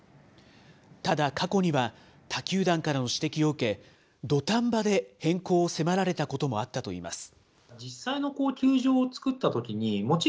ただ、過去には他球団からの指摘を受け、土壇場で変更を迫られたこともあったといいます。